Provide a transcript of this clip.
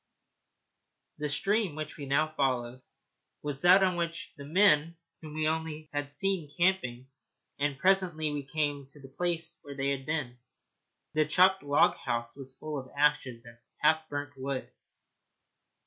The stream which we now followed was that on which the men whom we had seen were camping, and presently we came to the place where they had been. The chopped log house was a pile of ashes and half burnt wood.